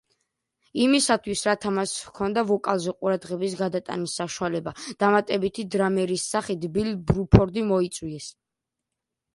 იმისათვის, რათა მას ჰქონოდა ვოკალზე ყურადღების გადატანის საშუალება, დამატებითი დრამერის სახით ბილ ბრუფორდი მოიწვიეს.